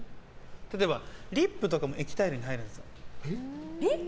例えば、リップとかも液体類に入るんですよ。